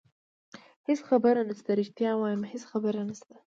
هېڅ خبره نشته، رښتیا وایم هېڅ خبره نشته.